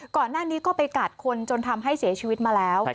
ก่อนหน้านี้ก็ไปกัดคนจนทำให้เสียชีวิตมาแล้ว